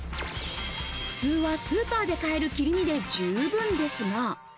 普通はスーパーで買える切り身で十分ですが。